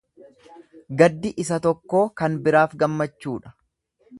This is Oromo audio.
Gaddi isa tokkoo kan biraaf gammachuudha.